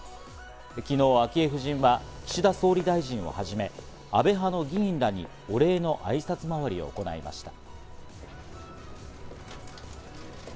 昨日、昭恵夫人は岸田総理大臣をはじめ、安倍派の議員らにお礼の挨拶回りを行いました。